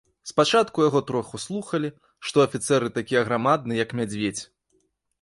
Спачатку яго троху слухалі, што афіцэр і такі аграмадны, як мядзведзь.